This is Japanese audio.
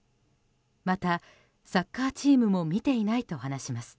また、サッカーチームも見ていないと話します。